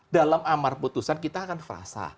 dalam amar putusan kita akan frasa